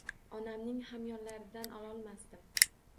Onamning hamyonlaridan ololmasdim.